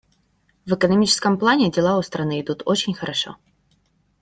В экономическом плане дела у страны идут очень хорошо.